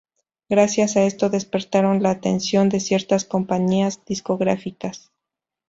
Gracias a esto despertaron la atención de ciertas compañías discográficas.